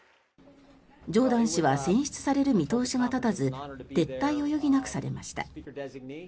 ジョーダン氏は選出される見通しが立たず撤退を余儀なくされました。